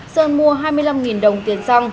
sơn mua hai mươi năm đồng tiền xăng